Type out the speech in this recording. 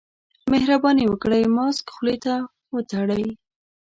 مهرباني وکړئ، ماسک خولې ته وتړئ.